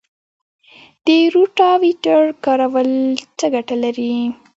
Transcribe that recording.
د روټاویټر کارول څه ګټه لري؟